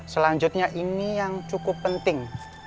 selanjutnya ini yang cukup penting